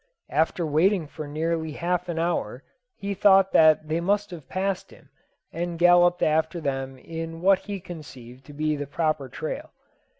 After waiting for nearly half an hour, he thought that they must have passed him, and galloped after them in what he conceived to be the proper trail.